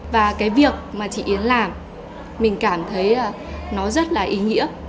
và cái việc mà chị yến làm mình cảm thấy nó rất là ý nghĩa